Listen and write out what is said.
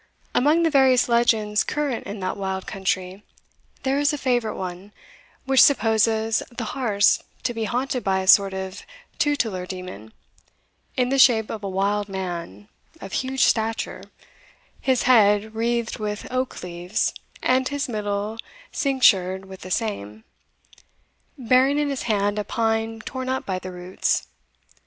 Among the various legends current in that wild country, there is a favourite one, which supposes the Harz to be haunted by a sort of tutelar demon, in the shape of a wild man, of huge stature, his head wreathed with oak leaves, and his middle cinctured with the same, bearing in his hand a pine torn up by the roots.